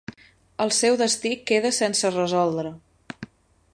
El seu destí queda sense resoldre.